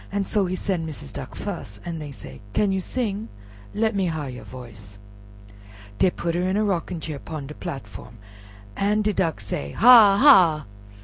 So he sen' Missis Duck fus, an' dey said, "Can you sing? let me har you voice." Dey put her in a rocking chair 'pon de platform, an' de Duck say, "Hahh! hahh!"